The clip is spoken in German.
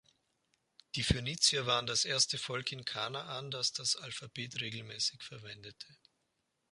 Die Phönizier waren das erste Volk in Kanaan, das das Alphabet regelmäßig verwendete.